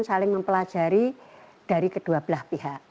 saling mempelajari dari kedua belah pihak